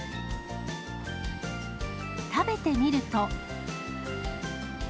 食べてみると。